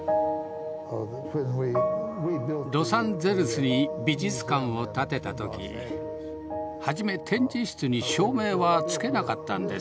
ロサンゼルスに美術館を建てた時初め展示室に照明はつけなかったんです。